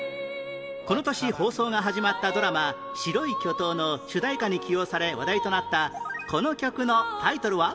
この年放送が始まったドラマ『白い巨塔』の主題歌に起用され話題となったこの曲のタイトルは？